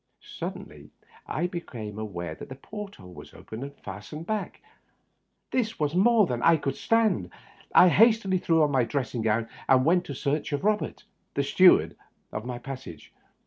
Suddenly I became aware that the port hole was open, and fastened back. This was more than I could stand. I hastily threw on my dressing gown and went in search of Eobert, the steward of my passage.